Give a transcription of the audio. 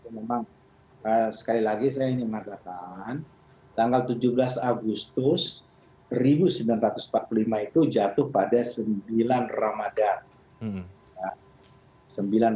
memang sekali lagi saya ingin mengatakan tanggal tujuh belas agustus seribu sembilan ratus empat puluh lima itu jatuh pada sembilan ramadhan